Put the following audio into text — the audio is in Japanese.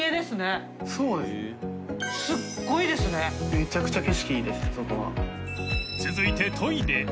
めちゃくちゃ景色いいですねそこは。